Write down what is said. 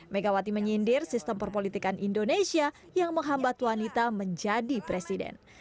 megawati menyindir sistem perpolitikan indonesia yang menghambat wanita menjadi presiden